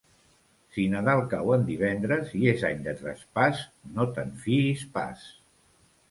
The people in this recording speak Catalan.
Si Nadal cau en divendres i és any de traspàs, no te'n fiïs pas.